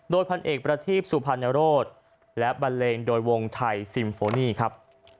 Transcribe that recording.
โดยพันเอกประทีพสุพรรณโรธและบันเลงโดยวงไทยซิมโฟนี่ครับ